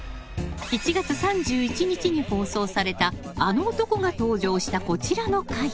１月３１日に放送されたアノ男が登場した、こちらの回。